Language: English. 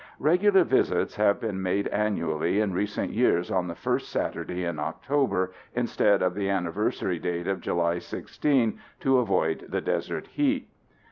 Regular visits have been made annually in recent years on the first Saturday in October instead of the anniversary date of July 16, to avoid the desert heat.